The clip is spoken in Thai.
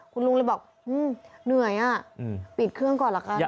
คุณลุงเลยบอกเหนื่อยอ่ะปิดเครื่องก่อนละกัน